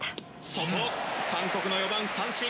外韓国の４番、三振。